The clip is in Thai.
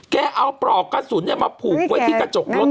แกเอาปลอกกระสุนมาผูกไว้ที่กระจกรถ